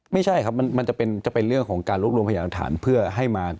ไม่ใช่ครับมันมันจะเป็นจะเป็นเรื่องของการรวบรวมไปจากฐานเพื่อให้มา